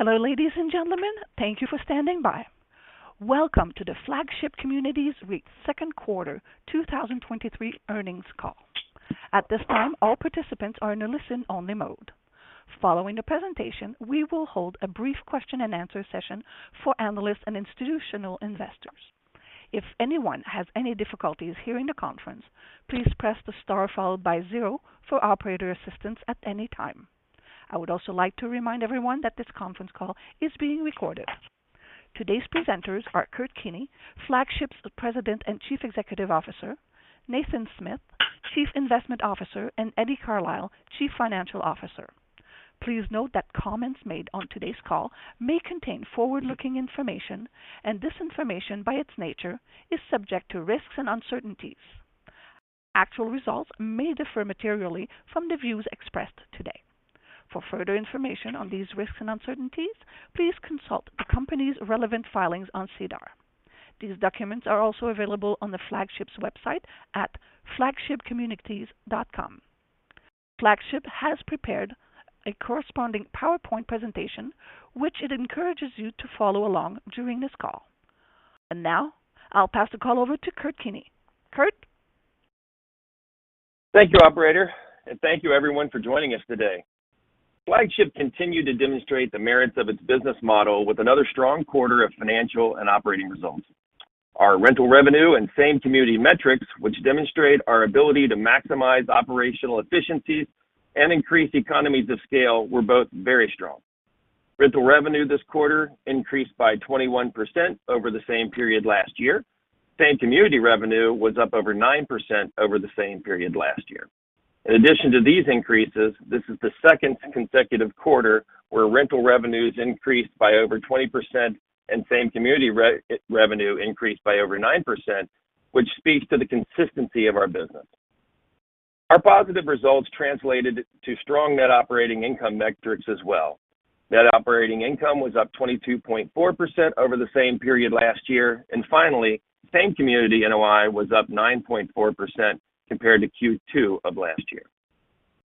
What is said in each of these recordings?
Hello, ladies and gentlemen. Thank you for standing by. Welcome to the Flagship Communities REIT's second quarter 2023 earnings call. At this time, all participants are in a listen-only mode. Following the presentation, we will hold a brief question and answer session for analysts and institutional investors. If anyone has any difficulties hearing the conference, please press the star followed by zero for operator assistance at any time. I would also like to remind everyone that this conference call is being recorded. Today's presenters are Kurt Keeney, Flagship's President and Chief Executive Officer, Nathan Smith, Chief Investment Officer, and Eddie Carlisle, Chief Financial Officer. Please note that comments made on today's call may contain forward-looking information, and this information, by its nature, is subject to risks and uncertainties. Actual results may differ materially from the views expressed today. For further information on these risks and uncertainties, please consult the company's relevant filings on SEDAR. These documents are also available on the Flagship's website at flagshipcommunities.com. Flagship has prepared a corresponding PowerPoint presentation, which it encourages you to follow along during this call. Now, I'll pass the call over to Kurt Keeney. Kurt? Thank you, operator. Thank you everyone for joining us today. Flagship continued to demonstrate the merits of its business model with another strong quarter of financial and operating results. Our rental revenue and same-community metrics, which demonstrate our ability to maximize operational efficiencies and increase economies of scale, were both very strong. Rental revenue this quarter increased by 21% over the same period last year. Same-community revenue was up over 9% over the same period last year. In addition to these increases, this is the second consecutive quarter where rental revenues increased by over 20% and same-community revenue increased by over 9%, which speaks to the consistency of our business. Our positive results translated to strong net operating income metrics as well. Net operating income was up 22.4% over the same period last year. Finally, same-community NOI was up 9.4% compared to Q2 of last year.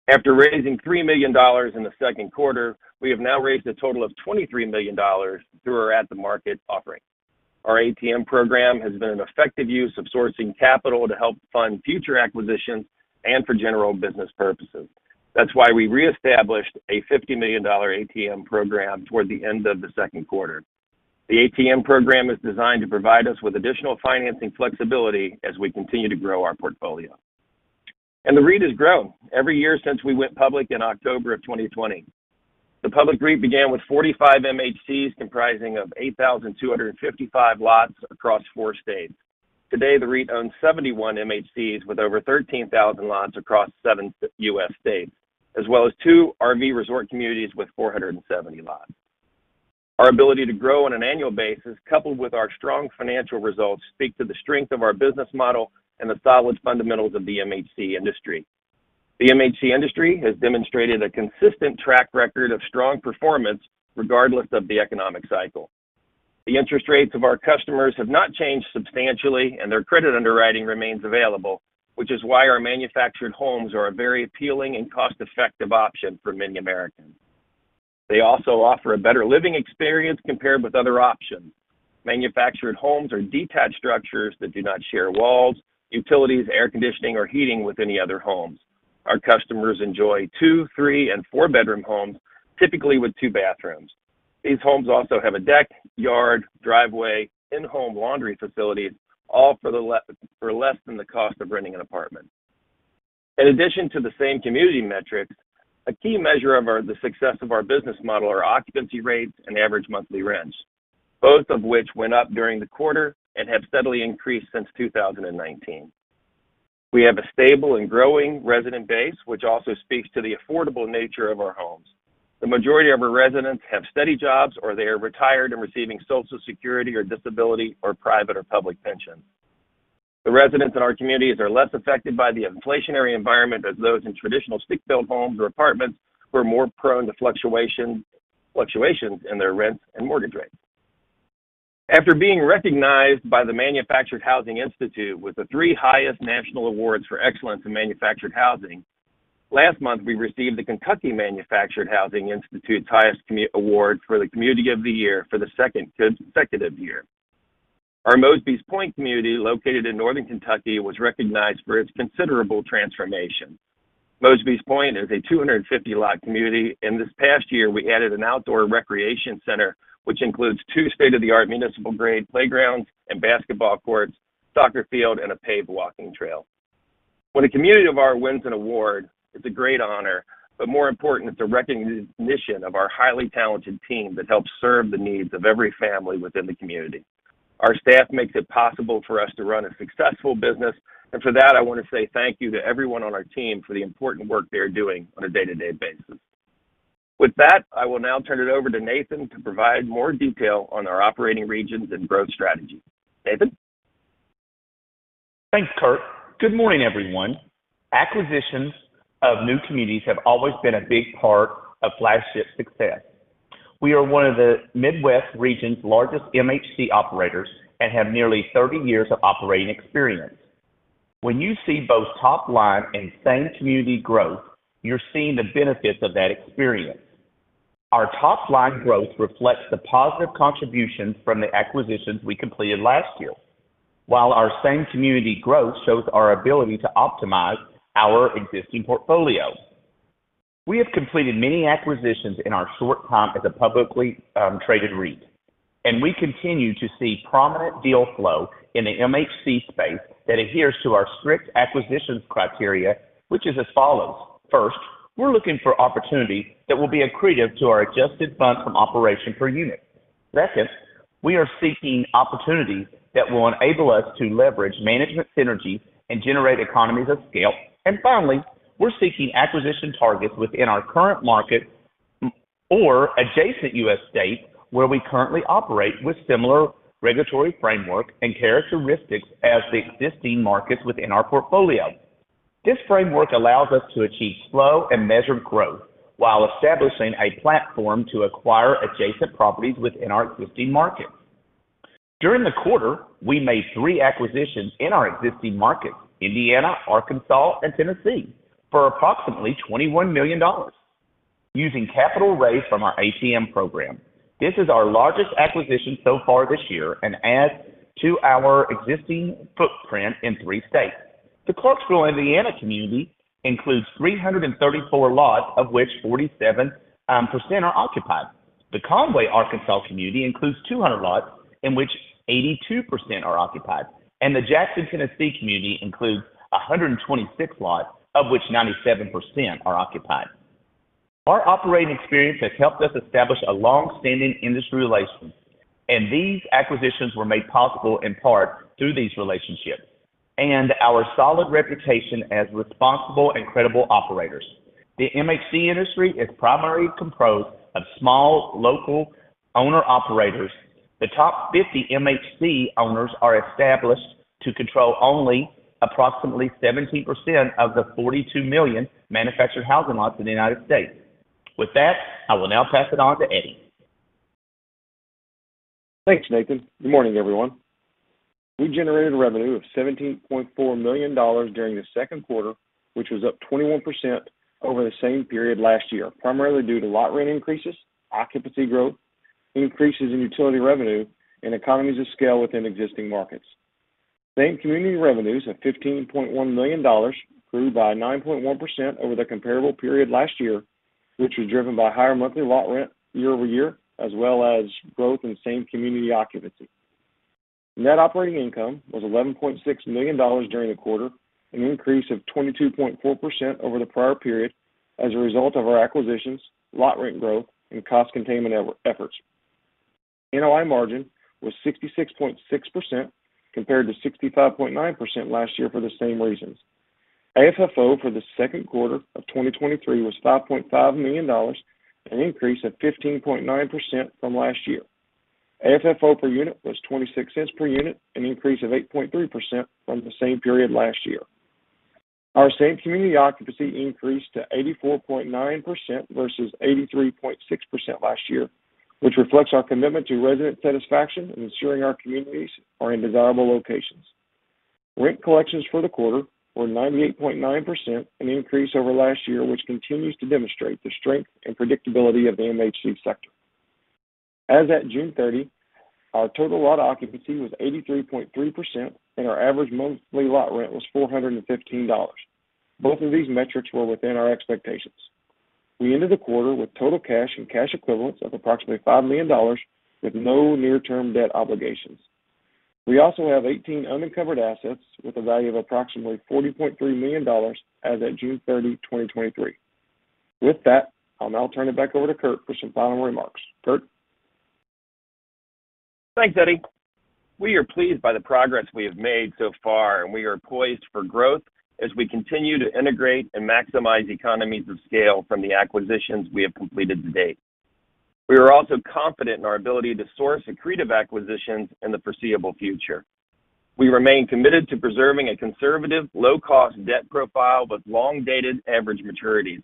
After raising $3 million in the Q2, we have now raised a total of $23 million through our at-the-market offering. Our ATM program has been an effective use of sourcing capital to help fund future acquisitions and for general business purposes. That's why we reestablished a $50 million ATM program toward the end of the Q2. The ATM program is designed to provide us with additional financing flexibility as we continue to grow our portfolio. The REIT has grown every year since we went public in October of 2020. The public REIT began with 45 MHCs, comprising of 8,255 lots across four states. Today, the REIT owns 71 MHCs with over 13,000 lots across seven U.S. states, as well as two RV resort communities with 470 lots. Our ability to grow on an annual basis, coupled with our strong financial results, speak to the strength of our business model and the solid fundamentals of the MHC industry. The MHC industry has demonstrated a consistent track record of strong performance regardless of the economic cycle. The interest rates of our customers have not changed substantially, and their credit underwriting remains available, which is why our manufactured homes are a very appealing and cost-effective option for many Americans. They also offer a better living experience compared with other options. Manufactured homes are detached structures that do not share walls, utilities, air conditioning, or heating with any other homes. Our customers enjoy two, three and four bedroom homes, typically with two bathrooms. These homes also have a deck, yard, driveway, in-home laundry facilities, all for less than the cost of renting an apartment. In addition to the same-community metrics, a key measure of the success of our business model are occupancy rates and average monthly rents, both of which went up during the quarter and have steadily increased since 2019. We have a stable and growing resident base, which also speaks to the affordable nature of our homes. The majority of our residents have steady jobs, or they are retired and receiving Social Security or disability, or private or public pensions. The residents in our communities are less affected by the inflationary environment as those in traditional stick-built homes or apartments, who are more prone to fluctuations in their rents and mortgage rates. After being recognized by the Manufactured Housing Institute with the three highest national awards for excellence in manufactured housing, last month, we received the Kentucky Manufactured Housing Institute's highest award for the Community of the Year for the second consecutive year. Our Mosby's Pointe community, located in northern Kentucky, was recognized for its considerable transformation. Mosby's Pointe is a 250-lot community, and this past year we added an outdoor recreation center, which includes two state-of-the-art municipal grade playgrounds and basketball courts, soccer field, and a paved walking trail. When a community of our wins an award, it's a great honor, but more important, it's a recognition of our highly talented team that helps serve the needs of every family within the community. Our staff makes it possible for us to run a successful business, and for that, I want to say thank you to everyone on our team for the important work they are doing on a day-to-day basis. With that, I will now turn it over to Nathan to provide more detail on our operating regions and growth strategy. Nathan? Thanks, Kurt. Good morning, everyone. Acquisitions of new communities have always been a big part of Flagship's success. We are one of the Midwest region's largest MHC operators and have nearly 30 years of operating experience. When you see both top line and same-community growth, you're seeing the benefits of that experience. Our top-line growth reflects the positive contribution from the acquisitions we completed last year, while our same-community growth shows our ability to optimize our existing portfolio. We have completed many acquisitions in our short time as a publicly traded REIT, and we continue to see prominent deal flow in the MHC space that adheres to our strict acquisitions criteria, which is as follows: First, we're looking for opportunities that will be accretive to our adjusted funds from operations per unit. Second, we are seeking opportunities that will enable us to leverage management synergies and generate economies of scale. Finally, we're seeking acquisition targets within our current market or adjacent U.S. states where we currently operate, with similar regulatory framework and characteristics as the existing markets within our portfolio. This framework allows us to achieve slow and measured growth while establishing a platform to acquire adjacent properties within our existing markets. During the quarter, we made three acquisitions in our existing markets, Indiana, Arkansas, and Tennessee, for approximately $21 million, using capital raised from our ATM program. This is our largest acquisition so far this year and adds to our existing footprint in three states. The Clarksville, Indiana, community includes 334 lots, of which 47% are occupied. The Conway, Arkansas, community includes 200 lots, in which 82% are occupied. The Jackson, Tennessee, community includes 126 lots, of which 97% are occupied. Our operating experience has helped us establish a long-standing industry relationship. These acquisitions were made possible in part through these relationships and our solid reputation as responsible and credible operators. The MHC industry is primarily composed of small, local owner-operators. The top 50 MHC owners are established to control only approximately 17% of the 42 million manufactured housing lots in the United States. With that, I will now pass it on to Eddie. Thanks, Nathan. Good morning, everyone. We generated revenue of $17.4 million during the Q2, which was up 21% over the same period last year, primarily due to lot rent increases, occupancy growth, increases in utility revenue, and economies of scale within existing markets. Same-community revenues of $15.1 million grew by 9.1% over the comparable period last year, which was driven by higher monthly lot rent year-over-year, as well as growth in same-community occupancy. Net operating income was $11.6 million during the quarter, an increase of 22.4% over the prior period as a result of our acquisitions, lot rent growth, and cost containment efforts. NOI margin was 66.6%, compared to 65.9% last year for the same reasons. AFFO for the Q2 of 2023 was $5.5 million, an increase of 15.9% from last year. AFFO per unit was $0.26 per unit, an increase of 8.3% from the same period last year. Our same-community occupancy increased to 84.9% versus 83.6% last year, which reflects our commitment to resident satisfaction and ensuring our communities are in desirable locations. Rent collections for the quarter were 98.9%, an increase over last year, which continues to demonstrate the strength and predictability of the MHC sector. As at June 30, our total lot occupancy was 83.3%, and our average monthly lot rent was $415. Both of these metrics were within our expectations. We ended the quarter with total cash and cash equivalents of approximately $5 million, with no near-term debt obligations. We also have 18 unencumbered assets with a value of approximately $40.3 million as at June 30, 2023. With that, I'll now turn it back over to Kurt for some final remarks. Kurt? Thanks, Eddie. We are pleased by the progress we have made so far, and we are poised for growth as we continue to integrate and maximize economies of scale from the acquisitions we have completed to date. We are also confident in our ability to source accretive acquisitions in the foreseeable future. We remain committed to preserving a conservative, low-cost debt profile with long-dated average maturities.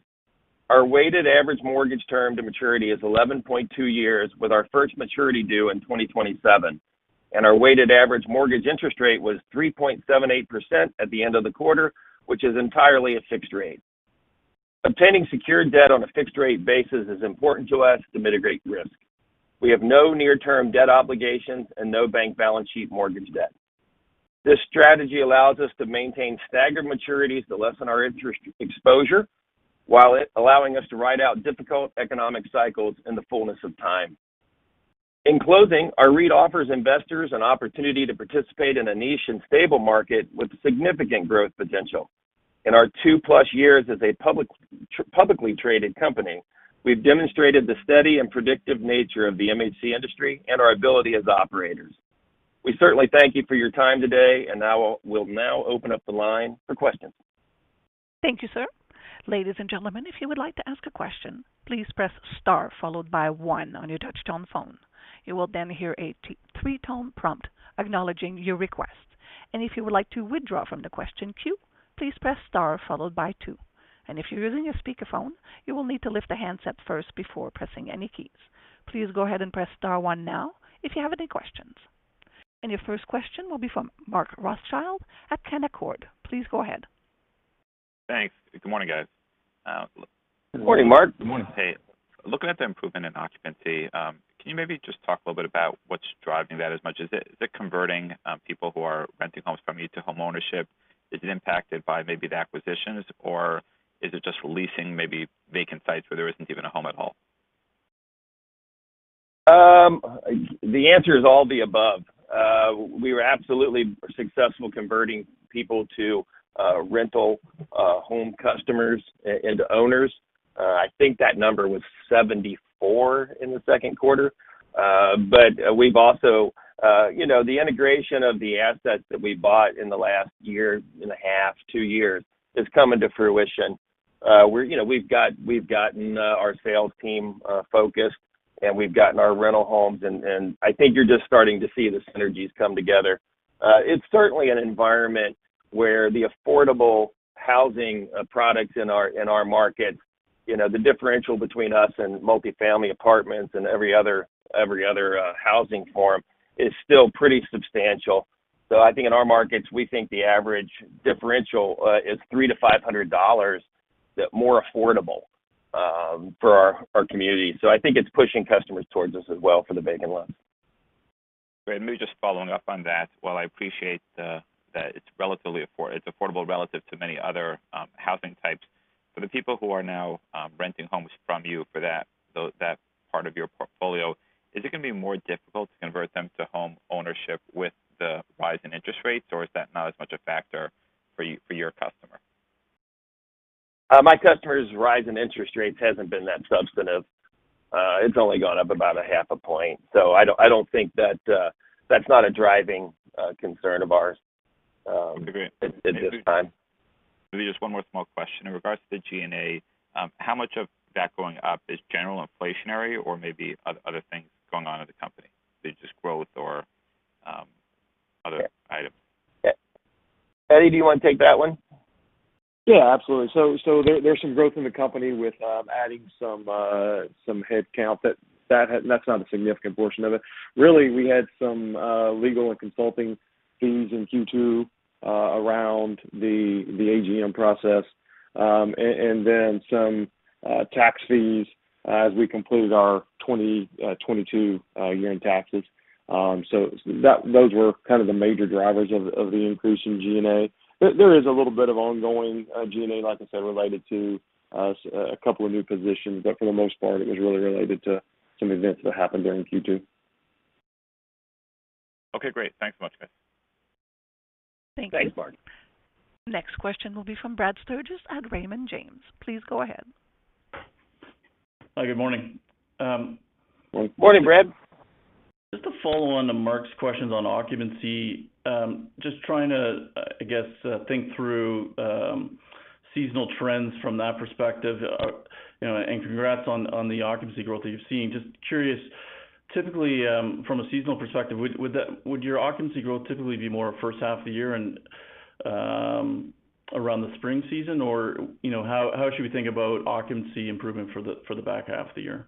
Our weighted average mortgage term to maturity is 11.2 years, with our first maturity due in 2027, and our weighted average mortgage interest rate was 3.78% at the end of the quarter, which is entirely a fixed rate. Obtaining secured debt on a fixed-rate basis is important to us to mitigate risk. We have no near-term debt obligations and no bank balance sheet mortgage debt. This strategy allows us to maintain staggered maturities to lessen our interest exposure, while it allowing us to ride out difficult economic cycles in the fullness of time. In closing, our REIT offers investors an opportunity to participate in a niche and stable market with significant growth potential. In our two plus years as a public, publicly traded company, we've demonstrated the steady and predictive nature of the MHC industry and our ability as operators. We certainly thank you for your time today, now we'll now open up the line for questions. Thank you, sir. Ladies and gentlemen, if you would like to ask a question, please press star followed by one on your touchtone phone. You will then hear a three-tone prompt acknowledging your request. If you would like to withdraw from the question queue, please press star followed by two. If you're using your speakerphone, you will need to lift the handset first before pressing any keys. Please go ahead and press star one now if you have any questions. Your first question will be from Mark Rothschild at Canaccord. Please go ahead. Thanks. Good morning, guys. Good morning, Mark. Good morning. Hey, looking at the improvement in occupancy, can you maybe just talk a little bit about what's driving that as much? Is it converting people who are renting homes from you to homeownership? Is it impacted by maybe the acquisitions, or is it just leasing maybe vacant sites where there isn't even a home at all? The answer is all the above. We were absolutely successful converting people to rental home customers into owners. I think that number was 74 in the Q2. We've also, you know, the integration of the assets that we bought in the last 1.5 years, two years, is coming to fruition. We're, you know, we've gotten our sales team focused, and we've gotten our rental homes and I think you're just starting to see the synergies come together. It's certainly an environment where the affordable housing products in our market, you know, the differential between us and multifamily apartments and every other, every other housing form is still pretty substantial. I think in our markets, we think the average differential is $300-$500, that more affordable for our, our community. I think it's pushing customers towards us as well for the vacant lots. Great. Maybe just following up on that, while I appreciate the, that it's relatively affordable relative to many other housing types, for the people who are now renting homes from you for that, so that part of your portfolio, is it going to be more difficult to convert them to homeownership with the rise in interest rates, or is that not as much a factor for you, for your customer? My customers, rise in interest rates hasn't been that substantive. It's only gone up about 0.5 point, I don't, I don't think that, that's not a driving concern of ours at this time. Maybe just one more small question? In regards to the G&A, how much of that going up is general inflationary or maybe other things going on in the company? Is it just growth or, other items? Eddie, do you want to take that one? Yeah, absolutely. There's some growth in the company with adding some headcount, but that's not a significant portion of it. Really, we had some legal and consulting fees in Q2 around the AGM process, and then some tax fees as we completed our 2022 year-end taxes. Those were kind of the major drivers of the increase in G&A. There is a little bit of ongoing G&A, like I said, related to us, a couple of new positions, but for the most part, it was really related to some events that happened during Q2. Okay, great. Thanks so much, guys. Thanks, Mark. Next question will be from Brad Sturges at Raymond James. Please go ahead. Hi, good morning. Morning, Brad. Just to follow on to Mark's questions on occupancy, just trying to, I guess, think through seasonal trends from that perspective, you know, and congrats on, on the occupancy growth that you've seen. Just curious, typically, from a seasonal perspective, would, would that-- would your occupancy growth typically be more first half of the year and, around the spring season? Or, you know, how, how should we think about occupancy improvement for the, for the back half of the year?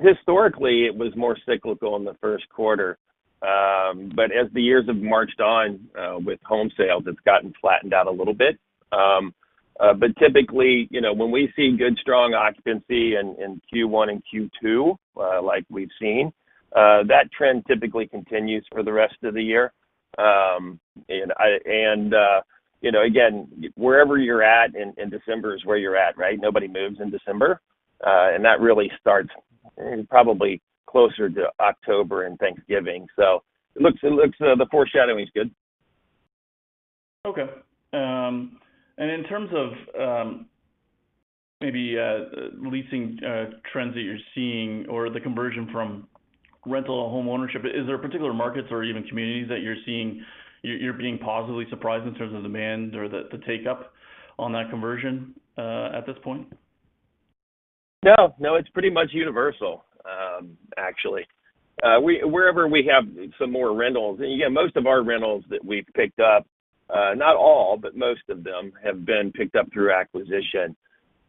Historically, it was more cyclical in the Q1. As the years have marched on, with home sales, it's gotten flattened out a little bit. Typically, you know, when we see good, strong occupancy in Q1 and Q2, like we've seen, that trend typically continues for the rest of the year. You know, again, wherever you're at in December is where you're at, right? Nobody moves in December, and that really starts probably closer to October and Thanksgiving. It looks, it looks, the foreshadowing is good. Okay. In terms of, maybe, leasing, trends that you're seeing or the conversion from rental to homeownership, is there particular markets or even communities that you're seeing, you're being positively surprised in terms of demand or the, the take-up on that conversion, at this point? No. No, it's pretty much universal, actually. wherever we have some more rentals, and, yeah, most of our rentals that we've picked up, not all, but most of them have been picked up through acquisition.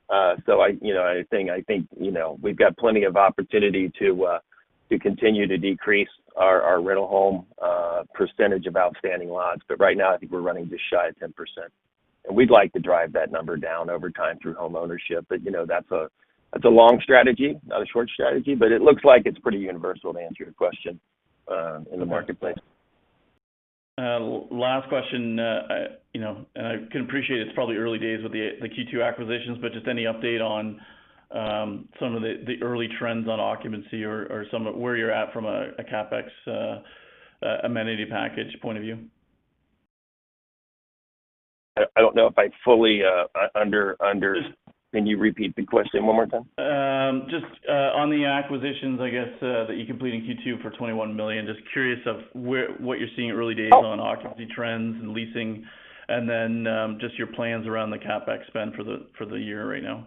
I, you know, I think, I think, you know, we've got plenty of opportunity to continue to decrease our rental home percentage of outstanding lots, but right now, I think we're running just shy of 10%. We'd like to drive that number down over time through homeownership, but, you know, that's a long strategy, not a short strategy, but it looks like it's pretty universal, to answer your question, in the marketplace. Last question. You know, and I can appreciate it's probably early days with the Q2 acquisitions, but just any update on some of the early trends on occupancy or some of where you're at from a CapEx amenity package point of view? I, I don't know if I fully. Can you repeat the question one more time? Just on the acquisitions, I guess, that you completed in Q2 for $21 million, just curious of what you're seeing early days on occupancy trends and leasing, and then, just your plans around the CapEx spend for the year right now?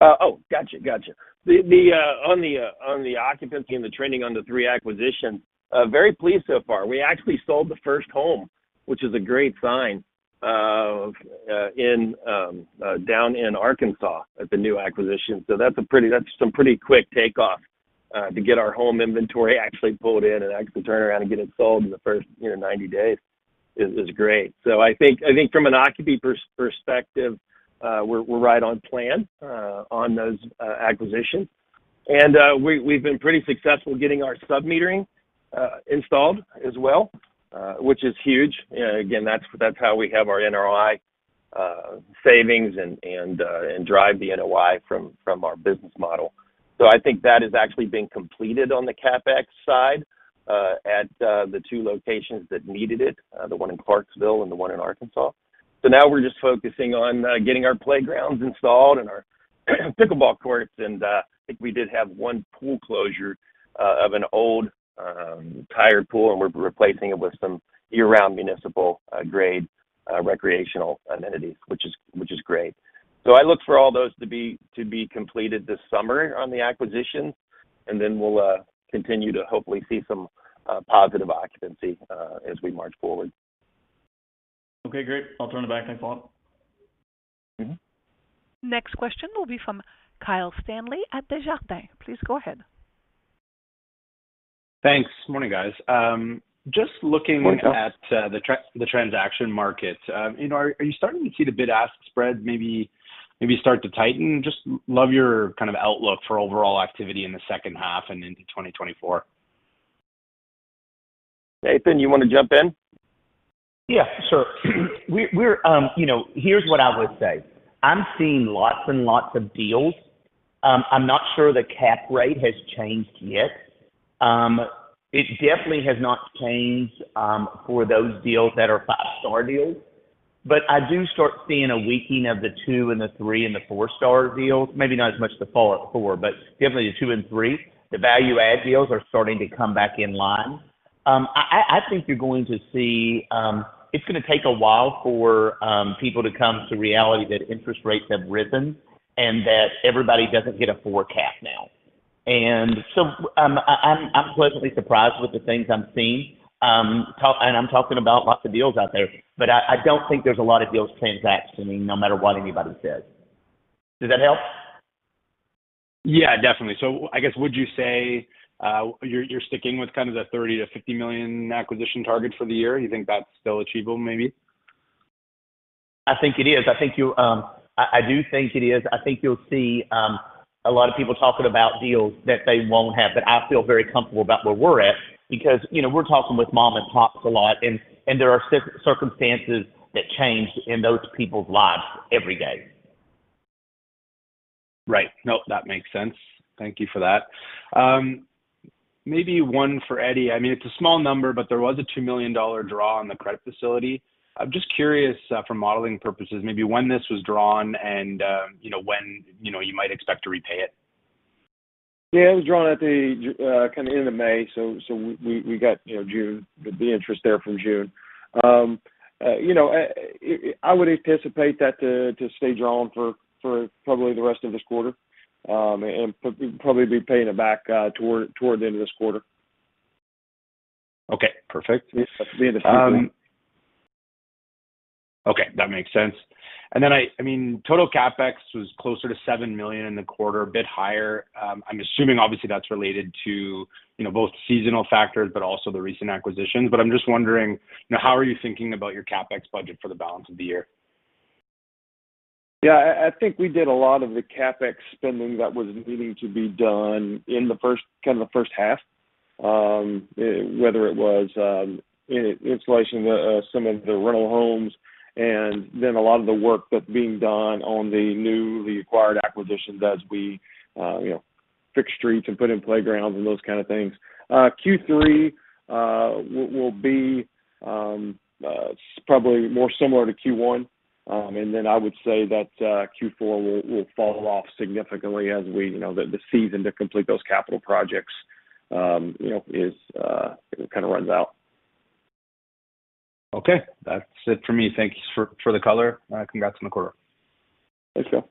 Oh, gotcha, gotcha. On the occupancy and the trending on the three acquisitions, very pleased so far. We actually sold the first home, which is a great sign, in, down in Arkansas at the new acquisition. That's a pretty that's some pretty quick takeoff, to get our home inventory actually pulled in and actually turn around and get it sold in the first, you know, 90 days is, is great. I think, I think from an occupancy perspective, we're, we're right on plan, on those, acquisitions. We, we've been pretty successful getting our submetering, installed as well, which is huge. Again, that's, that's how we have our NOI, savings and, and, and drive the NOI from, from our business model. I think that is actually being completed on the CapEx side at the two locations that needed it, the one in Clarksville and the one in Arkansas. Now we're just focusing on getting our playgrounds installed and our pickleball courts, and I think we did have one pool closure of an old, tired pool, and we're replacing it with some year-round municipal grade recreational amenities, which is, which is great. I look for all those to be, to be completed this summer on the acquisition, then we'll continue to hopefully see some positive occupancy as we march forward. Okay, great. I'll turn it back. Thanks a lot. Mm-hmm. Next question will be from Kyle Stanley at Desjardins. Please go ahead. Thanks. Morning, guys. Morning, Kyle. -at the transaction market, you know, are, are you starting to see the bid-ask spread, maybe, maybe start to tighten? Just love your kind of outlook for overall activity in the second half and into 2024. Nathan, you want to jump in? Yeah, sure. We, we're, you know, here's what I would say: I'm seeing lots and lots of deals. I'm not sure the cap rate has changed yet. It definitely has not changed for those deals that are five star deals. I do start seeing a weakening of the two and the three and the four star deals. Maybe not as much the four, but definitely the two and three. The value-add deals are starting to come back in line. I, I, I think you're going to see. It's gonna take a while for people to come to reality that interest rates have risen and that everybody doesn't get a forecast now. I, I'm, I'm pleasantly surprised with the things I'm seeing. talk-- and I'm talking about lots of deals out there, but I, I don't think there's a lot of deals transacting, no matter what anybody says. Does that help? Yeah, definitely. I guess, would you say, you're, you're sticking with kind of the $30 million-$50 million acquisition target for the year? You think that's still achievable, maybe? I think it is. I think you, I do think it is. I think you'll see a lot of people talking about deals that they won't have, but I feel very comfortable about where we're at because, you know, we're talking with mom and pops a lot, and, and there are circumstances that change in those people's lives every day. Right. Nope, that makes sense. Thank you for that. Maybe one for Eddie. I mean, it's a small number, but there was a $2 million draw on the credit facility. I'm just curious for modeling purposes, maybe when this was drawn and, you know, when, you know, you might expect to repay it. Yeah, it was drawn at the kind of end of May, so we got, you know, June, the interest there from June. You know, I would anticipate that to stay drawn for probably the rest of this quarter, and probably be paying it back toward the end of this quarter. Okay, perfect. At the end of Q3. Okay, that makes sense. I mean, total CapEx was closer to 7 million in the quarter, a bit higher. I'm assuming obviously that's related to, you know, both seasonal factors, but also the recent acquisitions. I'm just wondering, you know, how are you thinking about your CapEx budget for the balance of the year? I think we did a lot of the CapEx spending that was needing to be done in the first, kind of the first half. Whether it was installation of some of the rental homes, and then a lot of the work that's being done on the new, the acquired acquisitions, as we, you know, fix streets and put in playgrounds and those kind of things. Q3 will be probably more similar to Q1. I would say that Q4 will fall off significantly as we, you know, the, the season to complete those capital projects, you know, is kind of runs out. Okay. That's it for me. Thank you for, for the color, and congrats on the quarter. Thanks, Kyle.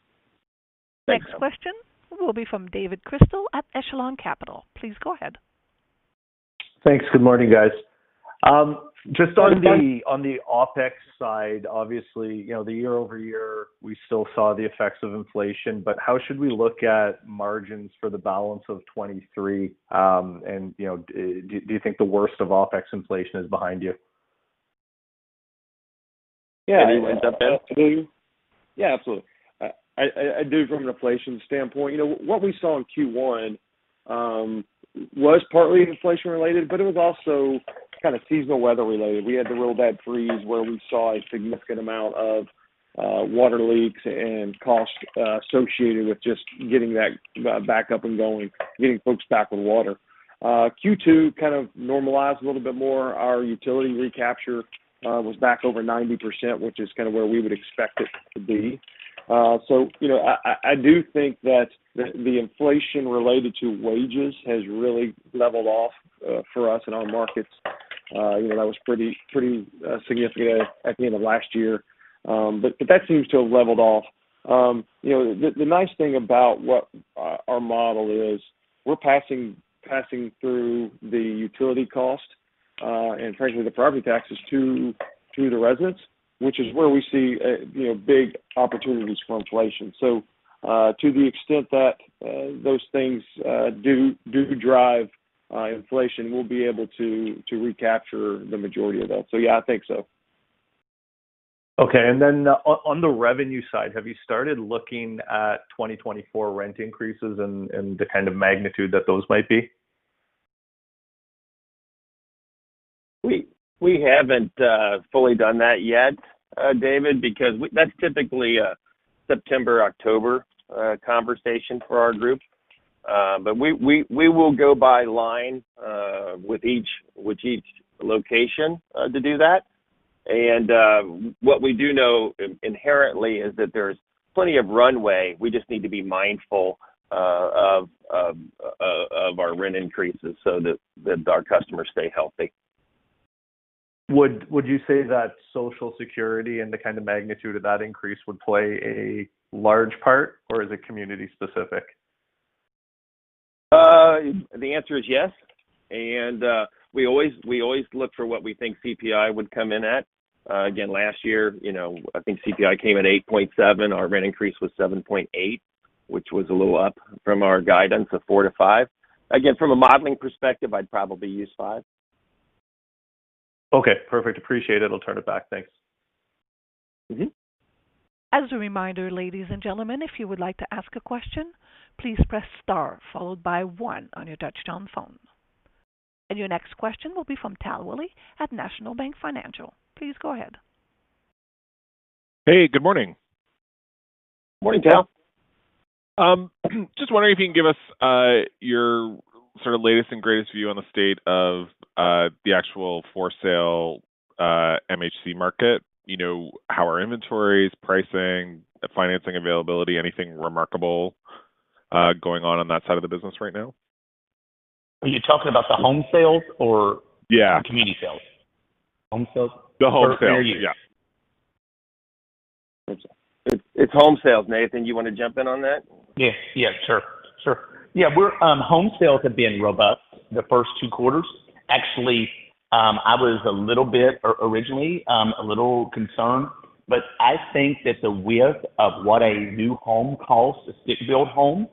Next question will be from David Chrystal at Echelon Wealth Partners. Please go ahead. Thanks. Good morning, guys. Good morning. On the OpEx side, obviously, you know, the year-over-year, we still saw the effects of inflation, but how should we look at margins for the balance of 2023? You know, do, do you think the worst of OpEx inflation is behind you? Yeah. Is that better to you? Yeah, absolutely. I, I, I do from an inflation standpoint. You know, what we saw in Q1 was partly inflation related, but it was also kind of seasonal weather related. We had the real bad freeze where we saw a significant amount of water leaks and cost associated with just getting that back up and going, getting folks back with water. Q2 kind of normalized a little bit more. Our utility recapture was back over 90%, which is kind of where we would expect it to be. You know, I, I, I do think that the, the inflation related to wages has really leveled off for us in our markets. You know, that was pretty, pretty significant at the end of last year. That seems to have leveled off. You know, the, the nice thing about what, our model is, we're passing, passing through the utility cost, and frankly, the property taxes to, to the residents, which is where we see, you know, big opportunities for inflation. So, to the extent that, those things, do, do drive, inflation, we'll be able to, to recapture the majority of that. So yeah, I think so. Okay. On the revenue side, have you started looking at 2024 rent increases and the kind of magnitude that those might be? We, we haven't fully done that yet, David, because that's typically a September, October conversation for our group. We, we, we will go by line with each, with each location to do that. What we do know inherently is that there's plenty of runway. We just need to be mindful of, of, of, of our rent increases so that, that our customers stay healthy. Would you say that Social Security and the kind of magnitude of that increase would play a large part, or is it community-specific? The answer is yes, and we always, we always look for what we think CPI would come in at. Again, last year, you know, I think CPI came in 8.7%. Our rent increase was 7.8%, which was a little up from our guidance of 4% - 5%. Again, from a modeling perspective, I'd probably use 5%. Okay, perfect. Appreciate it. I'll turn it back. Thanks. As a reminder, ladies and gentlemen, if you would like to ask a question, please press Star followed by one on your touchtone phone. Your next question will be from Tal Woolley at National Bank Financial. Please go ahead. Hey, good morning. Morning, Tal. Just wondering if you can give us your sort of latest and greatest view on the state of the actual for sale MHC market, you know, how are inventories, pricing, financing, availability, anything remarkable going on on that side of the business right now? Are you talking about the home sales or- Yeah community sales? Home sales? The home sales, yeah. It's, it's, it's home sales. Nathan, you want to jump in on that? Yes. Yeah, sure, sure. Yeah, we're home sales have been robust the first two quarters. Actually, I was a little bit or originally a little concerned, but I think that the width of what a new home costs, a stick-built home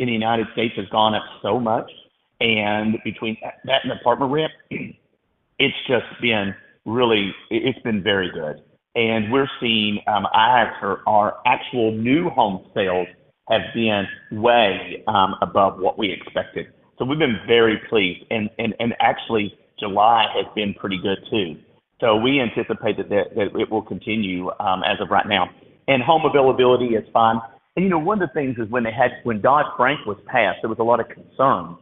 in the United States, has gone up so much, and between that and apartment rent, it's just been really. It, it's been very good. We're seeing, I have heard our actual new home sales have been way above what we expected. We've been very pleased, and, and, and actually, July has been pretty good, too. We anticipate that it will continue as of right now. Home availability is fine. You know, one of the things is when Dodd-Frank was passed, there was a lot of concern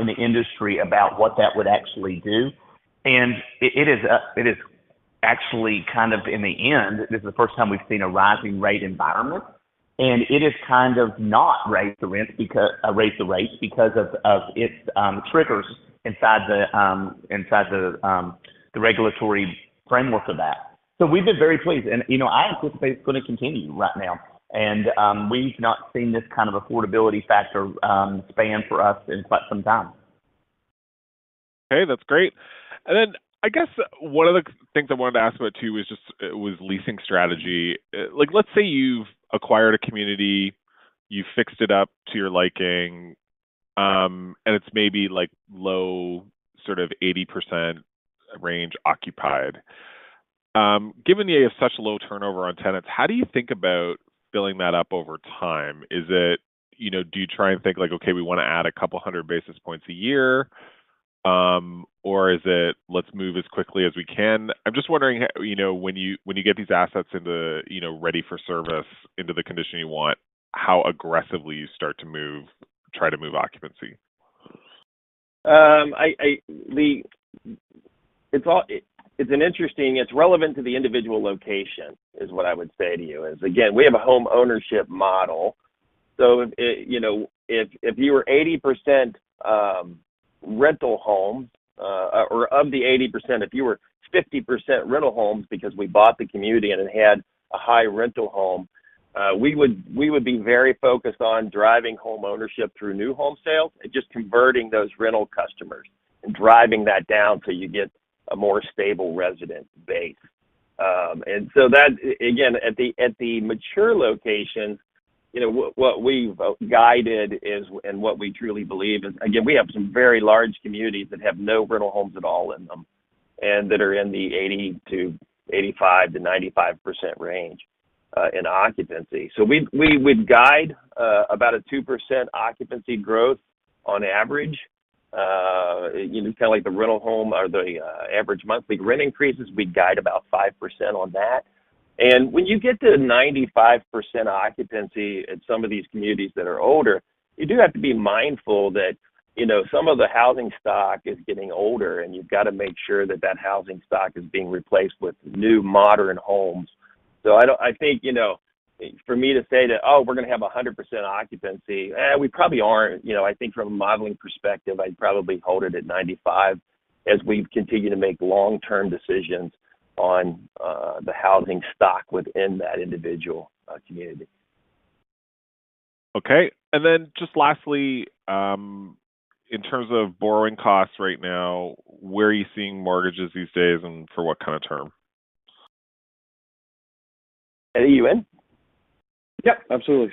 in the industry about what that would actually do. It, it is, it is actually kind of in the end, this is the first time we've seen a rising rate environment, and it has kind of not raised the rents because, raised the rates because of its triggers inside the inside the the regulatory framework for that. We've been very pleased, and, you know, I anticipate it's going to continue right now. We've not seen this kind of affordability factor span for us in quite some time. Okay, that's great. Then I guess one of the things I wanted to ask about, too, is just was leasing strategy. Like, let's say you've acquired a community, you fixed it up to your liking, and it's maybe like low, sort of 80% range occupied. Given you have such a low turnover on tenants, how do you think about filling that up over time? Is it, you know, do you try and think like, okay, we wanna add a couple hundred basis points a year, or is it, let's move as quickly as we can? I'm just wondering, you know, when you, when you get these assets into, you know, ready for service into the condition you want, how aggressively you start to move, try to move occupancy. I, it's an interesting, it's relevant to the individual location, is what I would say to you. Is again, we have a homeownership model, so if, you know, if, if you were 80% rental home, or of the 80%, if you were 50% rental homes, because we bought the community and it had a high rental home, we would, we would be very focused on driving homeownership through new home sales and just converting those rental customers and driving that down so you get a more stable resident base. So that, at the, at the mature location, you know, what, what we've guided is, and what we truly believe is, again, we have some very large communities that have no rental homes at all in them, and that are in the 80% to 85% to 95% range in occupancy. We, we, we'd guide about a 2% occupancy growth on average. You know, kind of like the rental home or the average monthly rent increases, we'd guide about 5% on that. When you get to 95% occupancy in some of these communities that are older, you do have to be mindful that, you know, some of the housing stock is getting older, and you've got to make sure that that housing stock is being replaced with new, modern homes. I don't, I think, you know, for me to say that, oh, we're going to have a 100% occupancy, we probably aren't. You know, I think from a modeling perspective, I'd probably hold it at 95 as we continue to make long-term decisions on the housing stock within that individual community. Okay. Then just lastly, in terms of borrowing costs right now, where are you seeing mortgages these days, and for what kind of term? Eddie, you in? Yep, absolutely.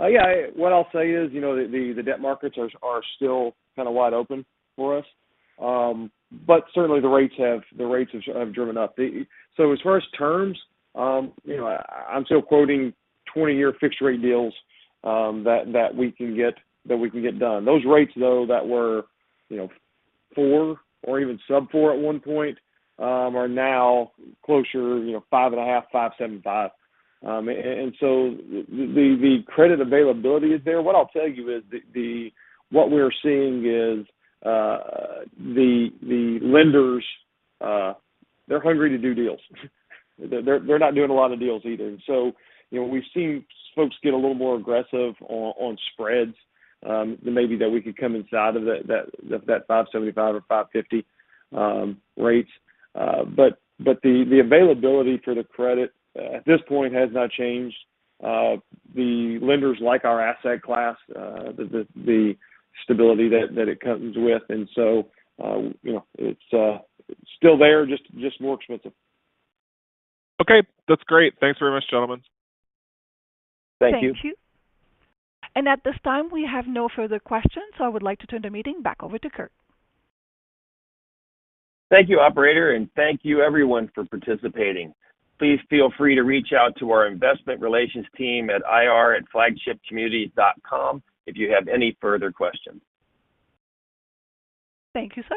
Yeah, what I'll say is, you know, the, the debt markets are, are still kind of wide open for us. Certainly the rates have, the rates have, have driven up. As far as terms, you know, I'm still quoting 20 year fixed rate deals that, that we can get, that we can get done. Those rates, though, that were, you know, four or even sub four at one point, are now closer, you know, 5.5, 5.75. The, the credit availability is there. What I'll tell you is what we're seeing is the, the lenders, they're hungry to do deals. They're, they're not doing a lot of deals either. You know, we've seen folks get a little more aggressive on, on spreads, maybe that we could come inside of that, that, that 575 or 550 rates. The availability for the credit at this point has not changed. The lenders like our asset class, the stability that it comes with. You know, it's still there, just more expensive. Okay. That's great. Thanks very much, gentlemen. Thank you. Thank you. At this time, we have no further questions, so I would like to turn the meeting back over to Kurt. Thank you, operator, and thank you everyone for participating. Please feel free to reach out to our investment relations team at ir@flagshipcommunities.com if you have any further questions. Thank you, sir.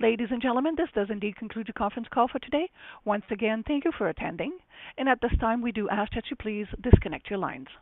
Ladies and gentlemen, this does indeed conclude the conference call for today. Once again, thank you for attending, and at this time, we do ask that you please disconnect your lines.